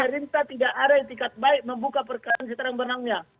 pemerintah tidak ada etikat baik membuka perkara seterang benangnya